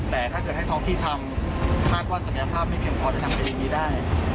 แต่ถ้าเกิดให้พ่อพี่ทำคาดว่าสัญญาภาพไม่เป็นพอจะทำแบบนี้ได้